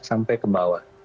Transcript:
sampai ke bawah